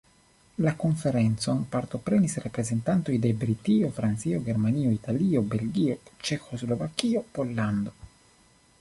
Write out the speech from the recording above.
La konferencon partoprenis reprezentantoj de Britio, Francio, Germanio, Italio, Belgio, Ĉeĥoslovakio, Pollando.